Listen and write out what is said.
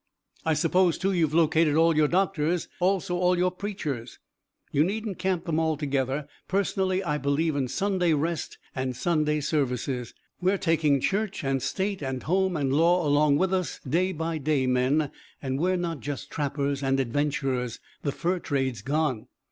"I suppose, too, you've located all your doctors; also all your preachers you needn't camp them all together. Personally I believe in Sunday rest and Sunday services. We're taking church and state and home and law along with us, day by day, men, and we're not just trappers and adventurers. The fur trade's gone.